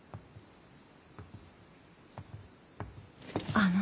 あの。